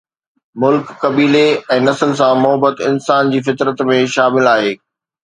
ملڪ، قبيلي ۽ نسل سان محبت انسان جي فطرت ۾ شامل آهي.